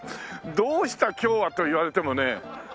「どうした今日は？」と言われてもね。